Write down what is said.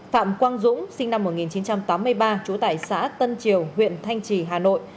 phạm quang dũng sinh năm một nghìn chín trăm tám mươi ba trú tại xã tân triều huyện thanh trì hà nội